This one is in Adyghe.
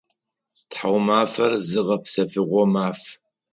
Тхьаумафэр зыгъэпсэфыгъо маф.